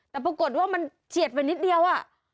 แต่ปรากฏว่ามันเฉียดไปนิดเดียว